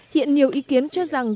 hiện nhiều ý kiến cho rằng